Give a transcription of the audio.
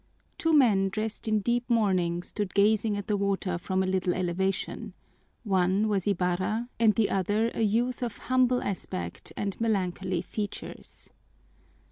Two men dressed in deep mourning stood gazing at the water from a little elevation: one was Ibarra and the other a youth of humble aspect and melancholy features.